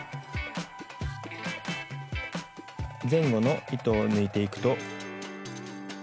前後の糸を抜いていくと。